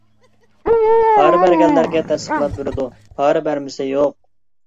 پارا بەرگەنلەرگە تەستىقلاپ بېرىدۇ پارا بەرمىسە يوق.